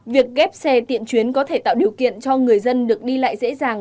việc ghép xe tiện chuyến có thể tạo điều kiện cho người dân được đi lại dễ dàng